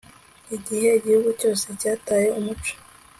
igihe igihugu cyose cyataye umuco